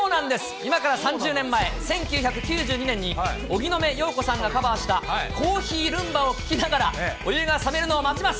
今から３０年前、１９９２年に荻野目洋子さんがカバーしたコーヒー・ルンバを聴きながら、お湯が冷めるのを待ちます。